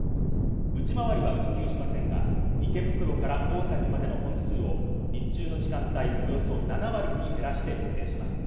内回りは運休しませんが、池袋から大崎までの本数を日中の時間帯、およそ７割に減らして運転します。